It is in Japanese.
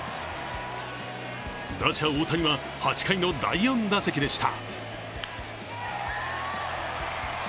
打者・大谷は８回の第４打席でした。